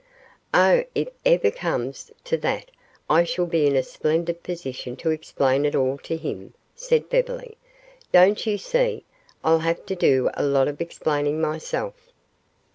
"Oh, if it ever comes to that I shall be in a splendid position to explain it all to him," said Beverly. "Don't you see, I'll have to do a lot of explaining myself?"